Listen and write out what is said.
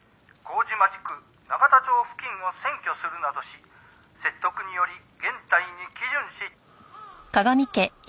「麹町区永田町付近を占拠するなどし説得により原隊に帰順し」